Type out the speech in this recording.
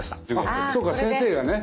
あそうか先生がね。